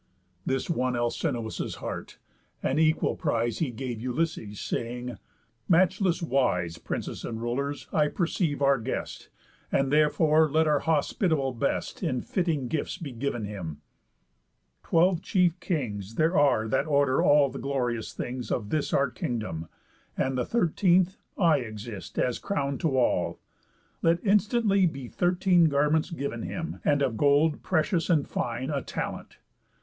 This won Alcinous' heart, and equal prize He gave Ulysses, saying: "Matchless wise, Princes and rulers, I perceive our guest, And therefore let our hospitable best In fitting gifts be giv'n him: Twelve chief kings There are that order all the glorious things Of this our kingdom; and, the thirteenth, I Exist, as crown to all. Let instantly Be thirteen garments giv'n him, and of gold Precious, and fine, a talent.